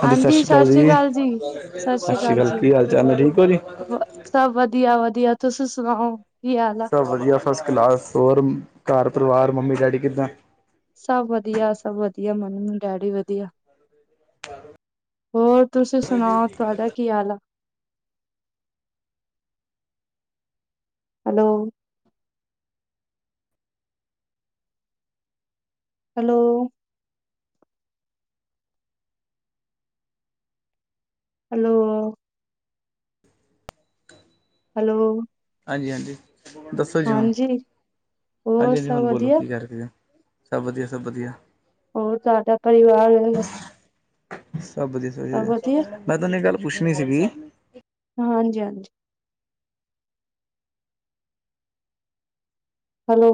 ਸਤਿ ਸ਼੍ਰੀ ਅਕਾਲ ਜੀ ਸਤਿ ਸ਼੍ਰੀ ਅਕਾਲ ਕੀ ਹਾਲ ਚਾਲ ਹੈ, ਠੀਕ ਹੋ ਜੀ ਸਭ ਵਧੀਆ ਵਧੀਆ ਤੁਸੀ ਸੁਣਾਓ ਕੀ ਹਾਲ ਹੈ। ਸਭ ਵਧੀਆ ਫਸਟ ਕਲਾਸ ਹੋਰ ਘਰ ਪਰਿਵਾਰ ਮੰਮੀ ਡੈਡੀ ਕਿੱਦਾਂ। ਸਭ ਵਧੀਆ ਸਭ ਵਧੀਆ ਮੈਨੂੰ ਡੈਡੀ ਵਧੀਆ। ਹੋਰ ਤੁਸੀਂ ਸੁਣਾਓ ਤੁਹਾਡਾ ਕੀ ਹਾਲ ਆ। ਹੈਲੋ, ਹੈਲੋ, ਹੈਲੋ ਹੈਲੋ ਹਾਂਜੀ ਹਾਂਜੀ, ਦੱਸੋ ਜੀ ਹੁਣ, ਹਾਂਜੀ ਹੋਰ ਹਾਂਜੀ ਹਾਂਜੀ, ਸਭ ਹੁਣ ਬੋਲੋ ਵਧੀਆ ਕੀ ਕਰਕੇ ਆ ਸਭ ਵਧੀਆ ਸਭ ਵਧੀਆ ਹੋਰ ਤੁਹਾਡਾ ਪਰਿਵਾਰ ਹੈ, ਸਭ ਵਧੀਆ ਸਆ ਵਧੀਆ ਮੈਂ ਤੁਹਾਨੂੰ ਇੱਕ ਗੱਲ ਪੁੱਛਣੀ ਸੀਗੀ। ਹਾਂਜੀ ਹਾਂਜੀ ਹੈਲੋ,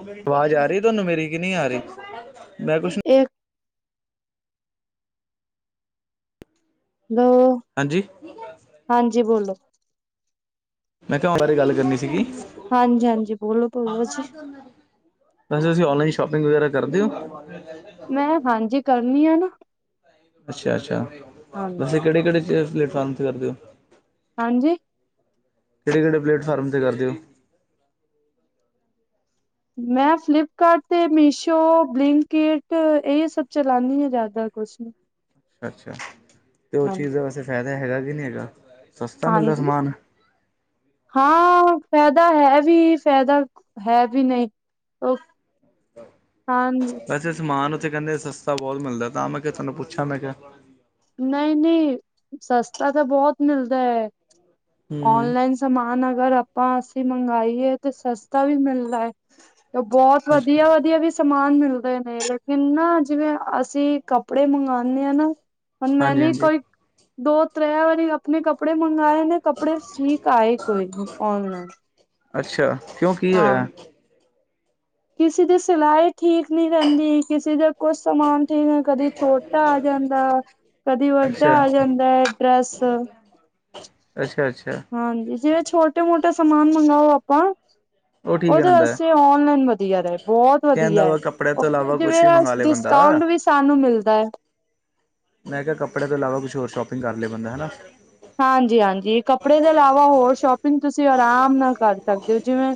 ਆਵਾਜ਼ ਆ ਰਹੀ ਤੁਹਾਨੂੰ ਮੇਰੀ ਕਿ ਨਹੀਂ ਆ ਰਹੀ ਮੈਂ ਕੁਛ ਇੱਕ ਦੋ ਹਾਂਜੀ, ਹਾਂਜੀ, ਬੋਲੋ ਮੈਂ ਘ ਬਾਰੇ ਗੱਲ ਕਰਨੀ ਸੀਗੀ ਹਾਂਜੀ ਹਾਂਜੀ, ਬੋਲੋ ਬੋਲੋ ਜੀ ਵੈਸੇ ਤੁਸੀਂ ਔਨਲਾਈਨ ਸ਼ੋਪਿੰਗ ਵਗੈਰਾ ਕਰਦੇ ਹੋ। ਮੈਂ ਹਾਂਜੀ ਕਰਨੀ ਆ ਨਾ ਅੱਛਾ ਅੱਛਾ ਹਾਂਜੀ ਵੈਸੇ ਕਿਹੜੇ ਕਿਹੜੇ ਪਲੇਟਫਾਰਮਥ ਕਰਦੇ ਹੋ। ਹਾਂਜੀ, ਕਿਹੜੇ ਕਿਹੜੇ ਪਲੇਟਫਾਰਮ ਤੇ ਕਰਦੇ ਹੋ। ਮੈਂ ਫਲਿਪਕਾਰਟ ਤੇ ਮੀਸ਼ੋ ਬਲਿੰਕਕੇਟ ਇਹ ਸਭ ਚਲਾਉਦੀ ਹਾਂ ਜ਼ਿਆਦਾ ਕੁਛ ਨ ਅੱਛਾ ਤੇ ਉਹ ਚੀਜ਼ ਦਾ ਵੈਸੇ ਫਾਇਦਾ ਹੈਗਾ ਕੀ ਨਹੀਂੀ ਹੈਗਾ। ਸਸਤਾ ਮਿਲਦਾ ਹਾਂਜੀ ਸਮਾਨ ਹਾਂ ਫਾਇਦਾ ਹੈ ਵੀ ਫਾਇਦਾ ਹੈ ਵੀ ਨਹੀਂ ਹਾਂਜੀ ੇ ਸਮਾਨ ਉੱਥੇ ਕਹਿੰਦੇ ਸਸਤਾ ਬਹੁਤ ਮਿਲਦਾ ਤਾਂ ਮੈਂ ਕਿਹਾ ਤੁਹਾਨੂੰ ਪੁੱਛਿਆ ਮੈਂ ਕਿਹਾ। ਨਹੀਂ ਨਹੀਂ ਸਸਤਾ ਤਾਂ ਬਹੁਤ ਮਿਲਦਾ ਹੈ ਹੂੰ ਹੂੰ ਔਨਲਾਈਨ ਸਮਾਨ ਅਗਰ ਆਪਾਂ ਅਸੀਂ ਮੰਗਾਈਏ ਤੇ ਸਸਤਾ ਵੀ ਮਿਲਦਾ ਹੈ ਤੇ ਬਹੁਤ ਵਧੀਆ ਵਧੀਆ ਵੀ ਸਮਾਨ ਮਿਲਦੇ ਨੇ ਲੇਕਿਨ ਨਾ ਜਿਵੇਂ ਅਸੀਂ ਕੱਪੜੇ ਮੰਗਵਾਉਂਦੇ ਹਾਂ ਨਾ ਹ ਹਾਂਜੀ ਮੈਂੇ ਹਾਂਜੀ ਕੋਈ ਦੋ ਤ੍ਰੈ ਵਾਰੀ ਆਪਣੇ ਕੱਪੜੇ ਮੰਗਵਾਏ ਨੇ ਕੱਪੜੇ ਸੀਕ ਆਏ ਕੋਈ ਔਨਲਾਈਨ ਅੱਛਾ ਕਿਉਂ ਕੀ ਹੋਇਆ ਕਿਸੇ ਦੀ ਸਿਲਾਈ ਠੀਕ ਨਹੀਂ ਰਹਿੰਦੀ ਕਿਸੇ ਦਾ ਕੁਛ ਸਮਾਨ ਠੀ ਕਦੀ ਛੋਟਾ ਆ ਜਾਂਦਾ ਕਦੀ ਵੱਡਾ ਅੱਛਾ ਆ ਜਾਂਦਾ ਹੈ ਡਰੈੱਸ ਅੱਛਾ ਅੱਛਾ ਹਾਂਜੀ ਜਿਵੇਂ ਛੋਟੇ ਮੋਟੇ ਸਮਾਨ ਮੰਗਵਾਓ ਆਪਾਂ ਉਹ ਠੀਕ ਉਹਦੇ ਰਹਿੰਦਾ ਵਾਸਤੇ ਨਲਾਈਨ ਵਧੀਆ ਰ ਬਹੁਤ ਕਹਿੰਦਾ ਵਧੀਆ ਹੈ ਵਾ ਕੱਪੜੇ ਤੋਂ ਉਹਦੇ ਇਲਾਵਾ ਕੁਛ ਜਿਵੇਂ ਵੀ ਮੰਗਵਾ ਲਏ ਬੰਦਾ ਡਿਸਕਾਊਂਟ ਵੀ ਸਾਨੂੰ ਮਿਲਦਾ ਹੈ ਮੈਂ ਕਿਹਾ ਕੱਪੜੇ ਤੋਂ ਇਲਾਵਾ ਕੁਛ ਹੋਰ ਸ਼ੋਪਿੰਗ ਕਰ ਲਿਆ ਬੰਦਾ ਹਨਾ ਹਾਂਜੀ ਹਾਂਜੀ ਕੱਪੜੇ ਦੇ ਇਲਾਵਾ ਹੋਰ ਸ਼ੋਪਿੰਗ ਤੁਸੀਂ ਆਰਾਮ ਨਾਲ ਕਰ ਸਕਦੇ ਹੋ ਜਿਵੇਂ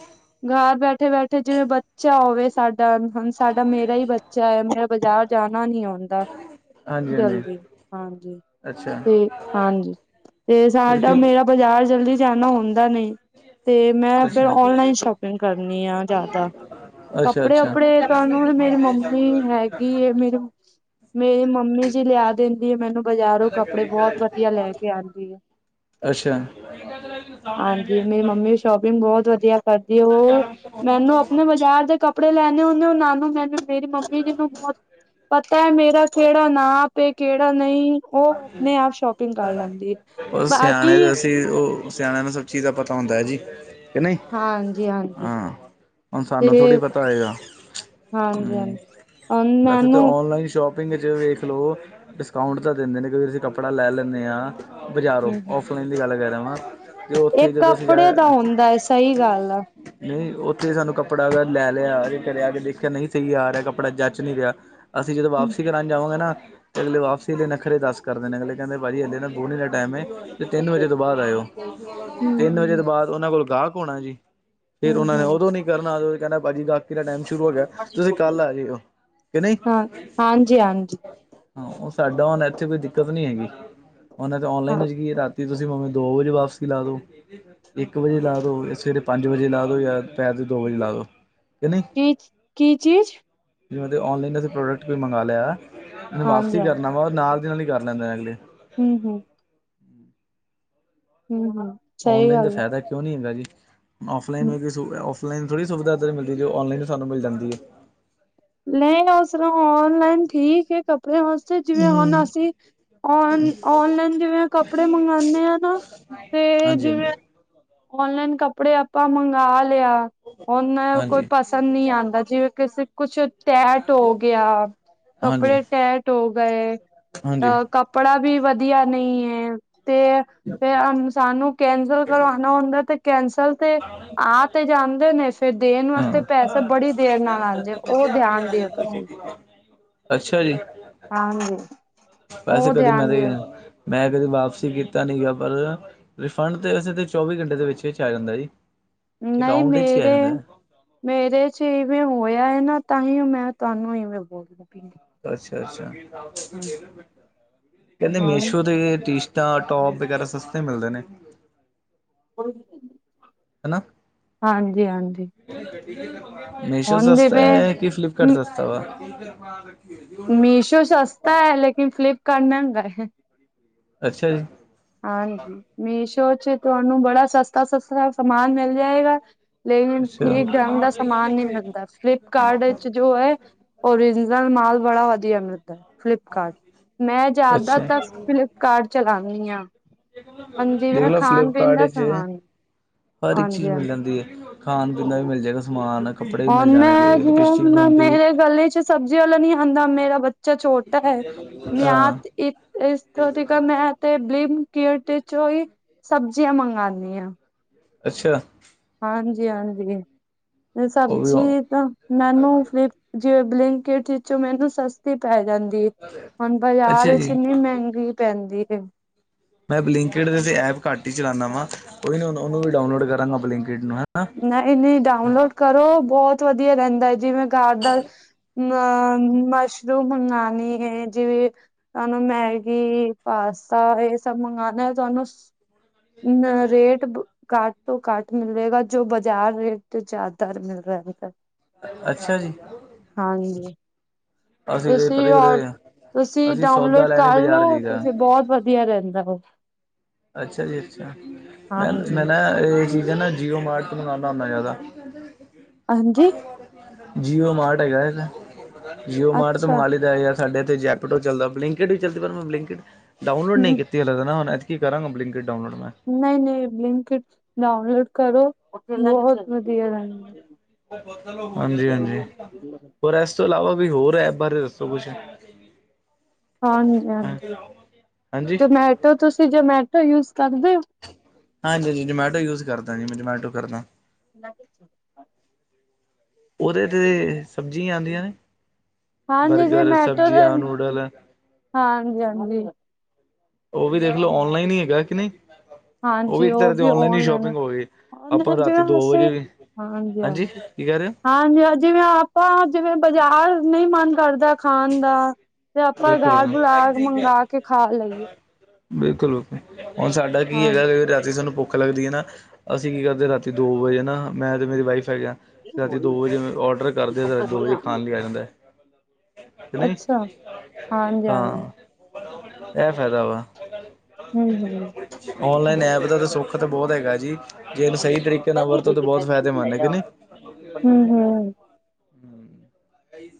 ਘਰ ਬੈਠੇ ਬੈਠੇ ਜਿਵੇਂ ਬੱਚਾ ਹੋਵੇ ਸਾਡਾ ਹੁਣ ਸਾਡਾ ਮੇਰਾ ਹੀ ਬੱਚਾ ਹੈ ਮੇਰਾ ਬਜ਼ਾਰ ਜਾਣਾ ਨੀ ਆਉਂਦਾ ਹਾਂਜੀ ਹਾਂਜੀ ਜਲਦੀ ਹਾਂਜੀ ਅੱਛਾ ਤੇ ਹਾਂਜੀ ਤੇ ਸਾਡਾ ਅੱਛਾ ਮੇਰਾ ਬਾਜ਼ਾਰ ਜਲਦੀ ਜਾਣਾ ਹੁੰਦਾ ਨਹੀਂ ਤੇ ਮੈਂ ਫਿਰ ਓਨਲਾਈਨ ਸ਼ੋਪਿੰਗ ਕਰਨੀ ਆ ਜ਼ਿਆਦਾ ਅੱਛਾ ਕੱਪੜੇ ਅੱਛਾ ਆਪੱਪੜੇ ਤੁਹਾਨੂੰ ਮੇਰੀ ਮੰਮੀ ਹੈਗੀ ਮੇਰੀ ਮੇਰੀ ਮੰਮੀ ਜੀ ਲਿਆ ਦਿੰਦੀ ਹੈ ਮੈਨੂੰ ਬਾਜ਼ਾਰੋਂ ਕੱਪੜੇ ਬਹੁਤ ਵਧੀਆ ਲੈ ਗ ਅੱਛਾ ਹਾਂਜੀ ਮੇਰੀ ਮੰਮੀ ਸ਼ੋਪਿੰਗ ਬਹੁਤ ਵਧੀਆ ਕਰਦੀ ਉਹ ਮੈਨੂੰ ਆਪਣੇ ਬਜ਼ਾਰ ਬਰ ਦੇ ਕੱਪੜੇ ਲੈਣੇ ਹੁੰਦੇ ਹੋ ਨਾਨੂ ਮੈਨੂੰ ਮੇਰੀ ਮੰਮੀ ਜੀ ਨੂੰ ਬਹੁਤ ਪਤਾ ਹੈ ਮੇਰਾ ਕਿਹੜਾ ਨਾਪ ਕਿਹੜਾ ਨਹੀਂ ਉਹ ਆਪਣੇ ਆਪ ਸ਼ੋਪਿੰਗ ਕਰ ਲੈਂਦੀ ਬਾਕੀ ਤੇ ਉਹ ਸਿਆਣਿਆਂ ਨੂੰ ਸਭ ਚੀਜ਼ ਦਾ ਪਤਾ ਹੁੰਦਾ ਹੈ ਜੀ ਕਿ ਨਹੀਂ ਹਾਂਜੀ ਹਾਂਜੀ ਹਾਂ ਹੁਣ ਤੇ ਸਾਨੂੰ ਥੋੜ੍ਹੀ ਪਤਾ ਹੋਏਗਾ ਹਾਂਜੀ ਹਾਂਜੀ ਅ ਮੈਨੂੰ ਨ ਸ਼ੋਪ ਸ਼ਪਿੰਗ ' ਵੇਖ ਲਓ ਡਿਸਕਾਊਂਟ ਤਾਂ ਦਿੰਦੇ ਨੇ ਕ ਅਸੀਂ ਕੱਪੜਾ ਲੈ ਲੈਂਦੇ ਹਾਂ ਬਜ਼ਾਰੋ ਹੂੰ ਔਫਰ ਕੁਦੀ ਕਲਾਕਾਰ ਰਮ ਇਹ ਕੱਪੜੇ ਦਾ ਹੁੰਦਾ ਏ ਸਹੀ ਗੱਲ ਆ ਨਹੀਂ ਉੱਥੇ ਸਾਨੂੰ ਕੱਪੜਾ ਅ ਲੈ ਲਿਆ ਕੇ ਕਰਿਆ ਕੇ ਦੇਖਿਆ ਨਹੀਂ ਸਹੀ ਆ ਰਿਹਾ ਕੱਪੜਾ ਜੱਚ ਨਹੀਂੀ ਰਿਹਾ ਅਸੀਂ ਜਦੋਂ ਹਮ ਵਾਪਸੀ ਕਰਾਉਣ ਜਾਵਾਂਗੇ ਨਾ ਤੇ ਅਗਲੇ ਵਾਪਸੀ ਲਈ ਨਖਰੇ ਦੱਸ ਕਰਦੇ ਨਿਕਲੇ ਕਹਿੰਦੇ ਭ ਜੀਜੇ ਤਾਂ ਬੋਹਣ ਦਾ ਟਾਈਮ ਹੈ ਤੇ ਤਿੰਨ ਵਜੇ ਤੋਂ ਬਾਅਦ ਆਇਓ ਤਿੰਨ ਵਜੇ ਹਮ ਤੋਂ ਬਾਅਦ ਉਹਨਾਂ ਕੋਲ ਗਾਹਕ ਹੋਣਾ ਜੀ ਫੇਿਰ ਹਮ ਉਹਨਾ ਨੇ ਹਮ ਉਦੋਂ ਨੀ ਕਰਨਨਾ ਕਹਿੰਦਾ ਭਾਜੀੀ ਬਾਕੀ ਦਾ ਟਾਈਮ ਸ਼ੁਰੂ ਹੋ ਗਿਆ ਤੁਸੀਂ ਕੱਲ ਆ ਜਇਓ ਕਿ ਨਹੀਂ ਹਾਂ ਹਾਂਜੀ ਹਾਂਜੀ ਹਾਂ ਉਹ ਸਾਡਾ ਹਣ ਇੱਥੇ ਕੋਈ ਦਿੱਕਤ ਨੀ ਹੈਗੀ ਉਹੇ ਤੇ ਹਾਂ ਔਨਲਾਈਨ ਕੀ ਰਾਤੀ ਤੁਸੀਂ ਮੰਮੀ ਦੋ ਵਜੇ ਵਾਪਸੀ ਲਾ ਦੋ ਇੱਕ ਵਜੇ ਲਾ ਦਉ ਸਵੇਰੇ ਪੰਜ ਵਜੇ ਲਾ ਦਉ ਜਾਂ ਦ ਪੈਰ ਦੇ ਦੋ ਵਜੇ ਲਾ ਦਉ ਕਹਿੰਦੇ ਕੀ ਕੀ ਚੀਜ਼ ਜ ਨਲਾਈਨ ਅਸੀਂ ਪ੍ਰੋਡਕਟ ਕੋਈ ਮੰਗਵਾ ਲਿਆ ਮਨੂੰ ਹਾਂਜੀ ਵਾਪਸਸੀ ਹਾਂਜੀ ਕਰਨਾ ਵਾ ਨਾਲ ਦੀ ਨਾਲ ਕਰ ਲੈਂਦੇ ਅਗਲੇ ਹਮ ਹਮ ਹਮ ਹਮ। ਸਹੀ ਔਨਲਾਈਨ ਦਾ ਗੱਲ ਫਾਇਦਾ ਕਿਉਂ ਨਹੀਂ ਹੈਗਾ ਜੀ ਹਮ ਫਲਾਈਨ। ਆਨਲਾਈਨ ਥੋੜੀ ਸੁਵਿਧਾ ਇਧਰ ਮਿਲਦੀ ਜੋ ਆਨ ਲਾਈਨ ਸਾਨੂੰ ਮਿਲ ਜਾਂਦੀ ਐ। ਨਈ ਉਸ ਤਰਾਂ ਔਨਲਾਈਨ ਠੀਕ ਐ ਕੱਪੜੇ ਵਾਸਤੇ ਜਿਵੇਂ ਹੁਣ ਅਸੀਂ ਔਨਲਾਈਨ ਜਿਵੇਂ ਕੱਪੜੇ ਮੰਗਵਾਉਦੇ ਆ ਨਾ ਤੇ ਹਾਂਜੀ ਜਿਵੇਂ ਹਾਂਜੀ ਔਨਲਾਈਨ ਕੱਪੜੇ ਆਪਾਂ ਮੰਗਾ ਲੇਆ ਹੁਨ ਕੋਈ ਹਾਂਜੀ ਪਸੰਦ ਨੀ ਆਂਦਾ ਜਿਵੇਂ ਕਿਸ ਕੁਛ ਟੈਟ ਹੋ ਗਿਆ। ਹਾਂਜੀ ਕੱਪੜੇ ਟੈਟ ਹੋ ਗਏ। ਹਾਂਜੀ। ਅ ਕੱਪੜਾ ਵੀ ਵਧੀਆ ਨਹੀਂ ਹੈ। ਤੇ ਫੇਰ ਸਾਨੂੰ ਕੈਂਸਲ ਕਰਵਾ। ਹੁੰਦਾ ਤੇ ਕੈਂਸਲ ਤੇ। ਆ ਤੇ ਜਾਂਦੇ ਨੇ ਫੇਰ ਦੇਣ ਵਾਸਤੇ ਪੈਸੇ ਬੜੀ ਦੇਰ ਨਾਲ ਆਂਦੇ ਓ ਧਿਆਨ ਦਿਓ ਤੁਸੀਂ। ਅੱਛਾ ਜੀ। ਹਾਂਜੀ। ਵੈਸੇ ਉਹ ਕਦੀ ਮੈਂ ਧਿਆਨ ਤੇ ਦਿਓ ਮੈਂ ਕਦੀ ਵਾਪਸੀ ਕੀਤਾ ਨੀਗਾ ਪਰ। ਰਿਫੰਡ ਤੇ ਵੇਸੇ ਚੌਵੀ ਘੰਟੇ ਦੇ ਵਿੱਚ-ਵਿੱਚ ਆ ਜਾਂਦਾ ਜੀ। ਨਈ ਅਕਾਊਂਟ ਵਿੱਚ ਹੀ ਆ ਮੇਰੇ। ਜਾਂਦਾ ਮੇਰੇ ਚ ਇਵੇਂ ਹੋਇਆ ਹੈ ਨਾ ਤਾਂਹੀ ਮੈਂ ਤੁਹਾਨੂੰ ਇਵੇਂ ਬੋਲ ਲਗੀ। ਅੱਛਾ ਅੱਛਾ, ਕਹਿੰਦੇ ਹਾਂ ਮੇਸ਼ੋ ਤੇ ਤਾਂ ਟੋਪ ਵਗੈਰਾ ਸਸਤੇ ਮਿਲਦੇ ਨੇ। [unintelligible] ਹੈ ਨਾ। ਹਾਂਜੀ ਹਾਂਜੀ ਮੀਸ਼ੋ ਹੁਣ ਸਸਤਾ ਜਿਵੇਂ ਏ ਕਿ ਫਲਿਪਕਾਰਡ ਸਸ ਤੇ ਔਰ। ਮੀਸ਼ੋ ਸਸਤਾ ਹੈ ਲੇਕਨ ਫਲਿਪਕਾਰਡ ਮਹਿੰਗਾ ਹੈ। ਅੱਛਾ ਜੀ। ਹਾਂਜੀ ਮੀਸ਼ੋ ਚ ਤੁਹਾਨੂੰ ਬੜਾ ਸਸਤਾ -ਸਸਤਾ ਸਮਾਨ ਮਿਲ ਜਾਏਗਾ ਲੇਕਿਨ ਅੱਛਾ ਠੀਕ ਢੰਗ ਦਾ ਸਮਾਨ ਨਹੀਂ ਮਿਲਦਾ ਫਲਿਪਕਾਰਡ ਵਿੱਚ ਜੋ ਹੈ। ਔਰੀਜਨਲ ਮਾਲ ਬੜਾ ਵਧੀਆ ਮਿਲਦਾ ਫਲਿਪਕਾਰਟ ਮੈਂ ਅੱਛਾ, ਜ਼ਿਆਦਾਤਰ ਫਲਿਪ ਕਾਰ ਚਲਾਉਣੀ ਆ। ਦੇਖ ਲੋ ਫਲਿੱਪਕਾਰਡ ਦਾ ਇੱਚ ਸਮਾਨ ਹਰ ਇੱਕ ਹਾਂਜੀ ਚੀਜ਼ ਹਾਂ ਮਿਲ ਜਾਂਦੀ ਏ। ਖਾਣ ਪੀਣ ਦਾ ਵੀ ਮਿਲ ਜਾਏਗਾ ਸਮਾਨ। ਕੱਪੜੇ ਵੀ ਹਣ ਮਿਲ ਜਾਣਗੇ ਮੈਂ ਲਿਪਸਟਿਕ ਵੀ ਹਣ ਮਿਲਦੀ ਮੇਰੇ ਗਲੀ ਚ ਸਬਜ਼ੀ ਵਾਲਾ ਨਹੀਂ ਆਉਦਾ ਮੇਰਾ ਬੱਚਾ ਛੋਟਾ ਹੈ। ਮੈਂ ਹਾਂ ਆਤ ਇੱਕ ਇਸ ਤੋਂ ਕ ਮੈਂ ਤੇ ਬਲਿੰਕਿਤ ਚੋਂ ਹੀ ਸਬਜ਼ੀਆਂ ਮੰਗਵਾਉਂਦੀ ਹਾਂ। ਅੱਛਾ। ਹਾਂਜੀ ਹਾਂਜੀ, ਤੇ ਉਹ ਵੀ ਸਬਜ਼ੀ ਤਾਂ ਮੈਨੂੰ ਫਲਿਪ ਜਿਵੇਂ ਬਲਿੰਕਟ ਵਿੱਚੋਂ ਮੈਨੂੰ ਸਸਤੀ ਪੈ ਜਾਂਦੀ ਐ। ਹੁਣ ਬਾਜ਼ਾਰ ਅੱਛਾ ਇੱਚ ਜੀ ਇੰਨੀ ਮੇਹੰਗੀ ਪੈਂਦੀ ਏ। ਮੈਂ ਬਲਿੰਕੀਟ ਦੀ ਤੇ ਐਪ ਘਾਟ ਹੀ ਚਲਾਣਾ ਵਾ, ਕੋਈ ਨਾ ਓਹਨੂੰ-ਉਹਨੂੰ ਵੀ ਡਾਊਨਲੋਡ ਕਰਾਂਗਾ ਬਲਿੰਕਕੀਟ ਨੂੰ ਹੈ। ਨਈ ਨਈ, ਡਾਊਨਲੋਡ ਕਰੋ ਬਹੁਤ ਵਧੀਆ ਰਹਿੰਦਾ ਜਿਵੇਂ ਘਰ ਦਾ। ਅ ਮਸ਼ਰੂਮ ਮੰਗਉਣੀ ਹੈ ਜਿਵੇਂ। ਤੁਹਾਨੂੰ ਮੈਗੀ ਪਾਸਤਾ ਇਹ ਸਭ ਮੰਗਵਾਉਣਾ ਹੈ ਤੁਹਾਨੂੰ [unintelligible] ਘੱਟ ਤੋਂ ਘੱਟ ਮਿਲੇਗਾ ਜੋ ਬਾਜ਼ਾਰ ਰੇਟ ਤੋਂ ਜ਼ਿਆਦਾ ਮਿਲ ਰਿਆ ਹੁੰਦਾ। ਅੱਛਾ ਜੀ। ਹਾਂਜੀ। ਅਸੀਂ ਤੇ ਤੁਸੀਂ ਕਦੇ ਔਰ ਕਦੇ, ਤੁਸੀਂ ਡਾਊਨਲੋਡ ਕਰਲੋ ਤੁਸੀਂ ਬਹੁਤ ਵਧੀਆ ਰਹਿੰਦਾ ਓ। ਅੱਛਾ ਜੀ ਅੱਛਾ, ਮੈਂ ਮੈਂ ਹਾਂਜੀ। ਨਾ ਇਹ ਚੀਜ਼ਾਂ ਨਾ ਜੀਓ ਮਾਰਟ ਤੇ ਮਗਾਉਦਾ ਹੁੰਦਾ ਜ਼ਿਆਦਾ ਹਾਂਜੀ ਜੀਓ ਮਾਰਟ ਹੈਗਾ ਜੀਓ ਮਾਰਟ ਤੋਂ ਅੱਛਾ ਮੰਗਵਾ ਲਈ ਦਾ ਯਾਰ ਪੈਲੇ ਤੇ ਜੈਪਟੋ ਚੱਲਦਾ, ਬਲਿੰਕਟ ਵੀ ਚੱਲਦੀ ਪਰ ਮੈਂ ਬਿੰਕਟ ਡਾਊਲੋਡ ਨੀ ਹੂੰ ਕੀਤੀ ਹਾਲੇ ਤੇ ਨਾ [unintelligible] ਕੀ ਕਰਾਗਾਂ ਬਲਿੰਕਟ ਡਾਊਨਲੋਡ ਮੈਂ ਨਹੀਂ-ਨਹੀਂ ਬਲਿੰਕਿਟ ਡਾਊਨਲੋਡ ਕਰੋ ਬਹੁਤ ਵਧੀਆ ਰਹਿੰਦਾ। ਹਾਂਜੀ-ਹਾਂਜੀ ਹੋਰ ਇਸ ਤੋਂ ਇਲਾਵਾ ਕੋਈ ਹੋਰ ਐਪ ਬਾਰੇ ਦੱਸੋ ਕੁਛ। ਹਾਂਜੀ ਹਾਂਜੀ-ਹਾਂਜੀ ਹਾਂਜੀ ਜਮੇਟੋ ਤੁਸੀਂ ਜਮੈਟੋ ਯੁਸ ਕਰਦੇ ਹੋ। ਹਾਂਜੀ ਜੀ ਜਮੈਟੋ ਯੂਜ ਕਰਦਾ ਜੀ ਮੈਂ ਜੌਮੈਟੋ ਕਰਦਾ। [unintelligible] ਉਹਦੇ ਤੇ ਸਬਜ਼ੀਆਂ ਆਂਦੀਆਂ ਨੇ। ਹਾਂਜੀ ਬਰਗਰ, ਜਮੇਟੋ ਸਬਜ਼ੀਆਂ, ਤੇ ਨੂਡਲ ਹਾਂਜੀ-ਹਾਂਜੀ। ਉਹ ਵੀ ਦੇਖ ਲਓ ਔਨਲਾਈਨ ਇ ਹੈਗਾ ਕਿ ਨਹੀਂ। ਉਹ ਵੀ ਇੱਕ ਤਰ੍ਹਾਂ ਦੀ ਔਨਲਾਈਨ ਇ ਸ਼ੋਪਿੰਗ ਹੋਵੇ ਆਪਾਂ ਰਾਤੀ ਜਿਹੜਾ ਦੋ ਵਜੇ ਅਸੀਂ ਵੀ ਹਾਂਜੀ ਕੀ ਕਹਿ ਰਹੇ ਓ। ਹਾਂਜੀ ਹਾਂ, ਜਿਵੇਂ ਆਪਾਂ ਜਿਵੇਂ ਬਾਜ਼ਾਰ ਨੀ ਮੰਨ ਘਰ ਦਾ ਖਾਨ ਦਾ ਤੇ ਆਪਾਂ ਬਿਲਕੁਲ ਦਾਲ ਬਿਲਕੁਲ ਬੁਲਾ ਮੰਗਾ ਕੇ ਖਾ ਲਈ ਏ। ਬਿਲਕੁਲ [unintelligible] ਹੁਨ ਸਾਡਾ ਕੀ ਹਾਂ ਹੈਗਾ ਅਗਰ [unintelligible] ਅਂ ਸਾਨੂੰ ਭੁੱਖ ਲੱਗਦੀ ਹੈ ਨਾ, ਅਸੀਂ ਕੀ ਕਰਦੇ ਹਾਂ ਰਾਤੀ ਦੋ ਵਜੇ ਹਨ ਨਾ ਮੈਂ ਤੇ ਮੇਰੀ ਵਾਈਫ ਹੈ ਰਾਤੀ ਦੋ ਵਜੇ ਮੈਂ ਔਡਰ ਕਰਦੇ ਤੇ ਦੋ ਵਜੇ ਖਾਨ ਲਈ ਆ ਜਾਂਦਾ ਐ। ਕਿ ਨਈ ਅੱਛਾ ਹਾਂਜੀ ਹਾਂ। ਹਾਂਜੀ ਐ ਫੈਦਾ ਵਾ, ਹਮ ਔਨਲਾਈਨ ਹਮ ਐਪ ਦਾ ਤਾਂ ਸੁਖ ਪਤਾਂ ਬਹੁਤ ਹੈਗਾ ਜੀ। ਜੇ ਇਹਨੂੰ ਸਹੀ ਤਰੀਕੇ ਨਾਲ ਵਰਤੋ ਤਾਂ ਬਹੁਤ ਫਾਇਦੇਮੰਦ ਹੈ ਕੇ ਨਹੀ ਹਮ ਹਮ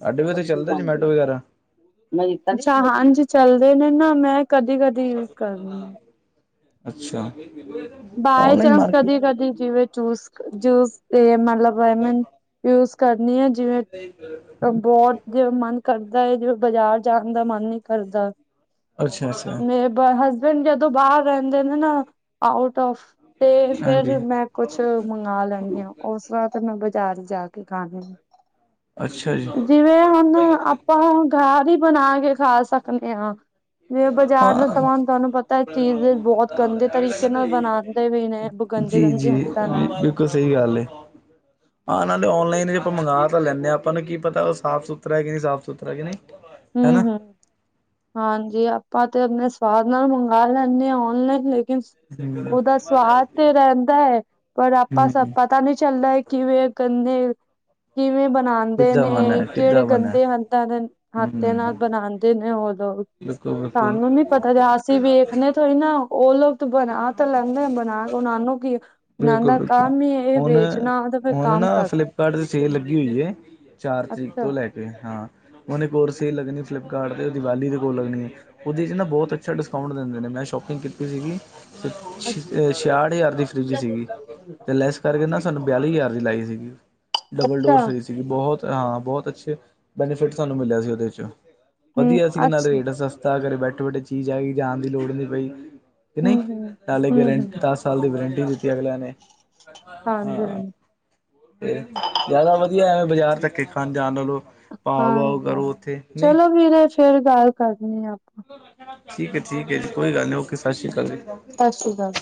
ਹੂੰ [unintelligible] ਅੱਛਾ, ਹਾਂਜੀ ਚੱਲਦੇ ਨੇ ਨਾ ਮੈਂ ਕਦੀ-ਕਦ ਅੱਛਾ। ਬਾਏ ਔਨਲਾਈਨ ਚਾਂਸ ਮਾਰਕੀਟ ਕਦੀ-ਕਦੀ ਜਿਵੇਂ ਚੂਸ-ਜੂਸ ਮਤਲਬ ਐਮਾਂ ਨ ਯੂ ਕਰਨੀ ਆ ਜਿਵੇਂ ਤਾਂ ਬਹੁਤ ਜਿਵੇਂ ਮਨ ਕਰਦਾ ਏ, ਬਾਜ਼ਾਰ ਜਾਨ ਦਾ ਮਨ ਨਹੀਂ ਕਰਦਾ ਅੱਛਾ-ਅੱਛਾ। ਮੇਰੇ ਬ ਹਸਬੈਂਡ ਜਦੋਂ ਬਾਹਰ ਰਹਿੰਦੇ ਨੇ ਨਾ ਆਊਟ ਆਫ ਤੇ ਹਾਂਜੀ ਫੇਿਰ ਮੈਂ ਕੁਛ ਮੰਗਵਾ ਲੈਨੀ ਆ, ਉਸਰਾਂ ਤਾਂ ਮੈਂ ਬਾਜ਼ਾਰ ਜਾ ਕੇ ਖਾਣੀ ਅੱਛਾ ਜੀ ਜਿਵੇਂ ਹੁਣ ਆਪਾਂ ਗਾਰ ਹੀ ਬਣਾ ਕੇ ਖਾ ਸਕਨੇ ਆ। ਜਿਵੇ ਬਾਜ਼ਾਰ ਦਾ ਹਾਂ ਸਮਾਨ ਤੁਹਾਨੂੰ ਪਤਾ ਹੈ ਚੀਜ਼ ਬਹੁਤ ਗੰਦੇ ਤਰੀਕੇ ਨਾਲ ਬਣਾਦੇ ਵੀ ਨੇ, ਗੰਦੇ-ਗੰਦੇ ਹੱਥਾਂ ਨਾਲ ਕੁਲ ਸਹੀ ਗੱਲ ਏ। ਆ ਨਾਲੇ ਓਨਲਾਈਨ ਜੀ ਆਪਾਂ ਮੰਗਗਾ ਤਾਂ ਲੈਂਨੇ ਹਾਂ, ਆਪਾਂ ਨੂੰ ਕੀ ਪਤਾ ਉਹ ਸਾਫ਼ ਸੁਥਰਾ ਕਿ ਨਹੀਂ ਸਾਫ਼ ਸੁਥਰਾ ਕਿ ਨਹੀਂ ਹੂ ਹੈਨਾ ਹੂ ਹਾਂਜੀ, ਆਪਾਂ ਤੇ ਆਪਣੇ ਸਵਾਦ ਨਾਲ ਮੰਗਵਾ ਲੈਂਨੇ ਆ ਔਨਲਾਈਨ ਲੇਕਿਨ ਉਹਦਾ ਸਵਾਦ ਤੇ ਰਹਿੰਦਾ ਹੈ ਪਰ ਆਪਾਂ ਸਾਂ ਹਮ ਪਤਾ ਨਹੀਂ ਚੱਲਦਾ ਹੈ ਕਿਵੇਂ ਗੰਦੇ, ਕਿਵੇਂ ਬਣਾ ਦੇ ਕਿੱਦਾਂ ਨੇ ਬਣਾ ਕਿਹੜੇ ਕਿੱਦਾਂ ਬਣਾ ਗੰਦੇ ਹੰਦਾਂ ਦੇ ਹੱਥ ਹਮ ਨਾਲ ਬਣਾਦੇ ਨੇ ਉਹ ਦੋ, ਬਿਲਕੁਲ ਬਿਲਕੁਲ ਸਾਨੂੰ ਨੀ ਪਤਾ ਤੇ ਅਸੀਂ ਵੇਖਣੇ ਥੋੜੀ ਨਾ ਉਹ ਲੋਕ ਬਣਾ ਤਾਂ ਲੈਂਦੇ ਬਣਾ, ਉਹ ਨੂੰ ਕੀ ਆ ਉਹਨਾਂ ਬਿਲਕੁਲ ਦਾ ਬਿਲਕੁਲ ਕੰਮ ਹੀ ਇਹ ਵੇਚਣਾ ਤੇ ਫੇਰ ਕੰਮ ਕਰਨਾ ਸਾਡੇ ਤੇ ਸੇਲ ਲੱਗੀ ਹੋਈ ਐ, ਚਾਰ ਤਰੀਕ ਅੱਛਾ ਤੋਂ ਲੈ ਕੇ ਹਾਂ ਹੁਨ ਇਕ ਹੋਰ ਸੇਲ ਲੱਗਣੀ ਫਲਿੱਪਕਾਰਟ ਤੇ ਦੀਵਾਲੀ ਦੇ ਉਹ ਲੱਗਣੀ ਐ, ਉਹਦੇ ਚ ਨਾ ਬਹੁਤ ਅੱਛਾ ਡਿਸਕਾਊਂਟ ਦਿੰਦੇ ਨੇ, ਮੈਂ ਸ਼ੋਪਿੰਗ ਕੀਤੀ ਸੀਗੀ। ਛੀ ਛਿਆਹਠ ਹਜ਼ਾਰ ਦੀ ਫਰਿੱਜ ਸੀਗੀ ਤੇ ਲੈਸ ਕਰਕੇ ਨਾ ਸਾਨੂੰ ਬਿਆਲੀ ਹਜ਼ਾਰ ਦੀ ਲਾਈ ਸੀਗੀ, ਡਬਲ ਅੱਛਾ ਡੋਰ ਫਰਿਜ ਕਿਉਂਕਿ ਬਹੁਤ ਹਾਂ ਬਹੁਤ ਅੱਛੇ ਬੈਨੀਫਿਟ ਸਾਨੂੰ ਮਿਲਿਆ ਸੀ ਉਹਦੇ ਚ, ਹਮ ਵਧੀਆ ਸੀ ਨਾਲ ਅੱਛਾ ਤੇ ਸਸਤਾ ਘਰੇ ਬੈਠੇ-ਬੈਠੇ ਚੀਜ਼ ਆਗੀ ਜਾਣ ਦੀ ਲੋੜ ਨੀ ਪਈ। ਕਿ ਨਹੀਂ ਹਮ ਹਮ ਨਾਲੇ ਹਮ ਗਰੰ ਹਮ ਦਸ ਸਾਲ ਦੀ ਵਰੰਟੀ ਦਿੱਤੀ ਅਗਲਿਆਂ ਨੇ ਹਾਂ। ਹਾਂਜੀ ਹਾਂਜੀ ਤੇ ਜ਼ਿਆਦਾ ਵਧੀਆ ਐਵੇਂ ਬਾਜ਼ਾਰ ਧੱਕੇ ਖਾਣ ਜਾਣ ਨਾ ਲਓ। ਹਾਂਜੀ ਹਾਂਜੀ ਚਲੋ ਵੀਰੇ ਫਿਰ ਗੱਲ ਕਰਦੇ ਆ ਆਪਾਂ। ਠੀਕ ਹੈ ਠੀਕ ਹੈ ਜੀ ਕੋਈ ਗੱਲ ਨੀ ਓਕੇ ਸਤਿ ਸ਼੍ਰੀ ਅਕਾਲ ਜੀ। ਸਤਿ ਸ਼੍ਰੀ ਅਕਾਲ।